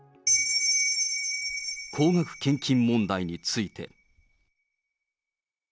高額献金問題について。